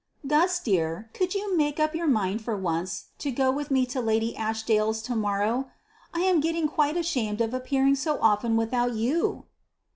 "Gus, dear, couldn't you make up your mind for once to go with me to Lady Ashdaile's to morrow? I am getting quite ashamed of appearing so often without you."